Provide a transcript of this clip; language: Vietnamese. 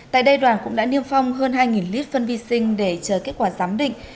tại đây đoàn cũng đã niêm phong hơn hai lít phân vi sinh để chờ kết quả giám định